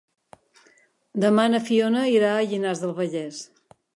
Demà na Fiona irà a Llinars del Vallès.